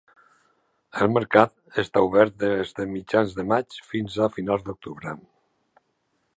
El mercat està obert des de mitjans de maig fins a finals d'octubre.